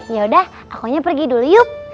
yaudah akonya pergi dulu yuk